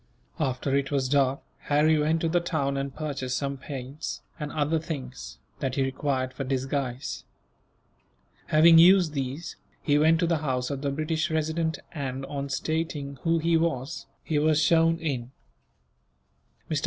After it was dark, Harry went to the town and purchased some paints, and other things, that he required for disguise. Having used these, he went to the house of the British Resident and, on stating who he was, he was shown in. Mr.